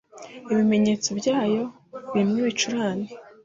Ibimenyetso byayo birimo ibicurane,